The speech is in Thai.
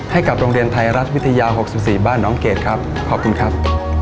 ให้กับโรงเรียนไทยรัฐวิทยา๖๔บ้านน้องเกดครับขอบคุณครับ